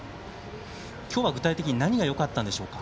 今日は具体的に何がよかったのでしょうか？